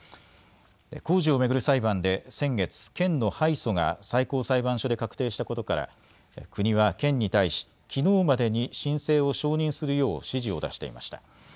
工事を巡る裁判で先月、県の敗訴が最高裁判所で確定したことから国は県に対しきのうまでに申請を承認するよう指示を出していました。